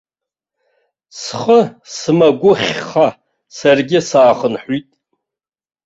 Схы сымагәыхьха, саргьы саахынҳәит.